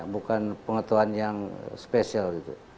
bukan pengetahuan yang spesial